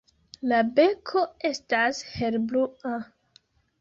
La beko estas helblua.